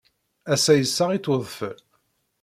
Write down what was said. Ass-a, issaɣ-itt wedfel.